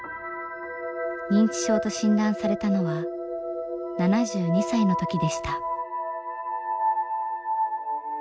認知症と診断されたのは７２歳の時でした。